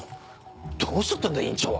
どうしちゃったんだよ院長は。